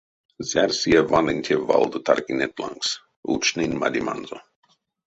Зярсыя ванынь те валдо таркиненть лангс, учнинь мадеманзо.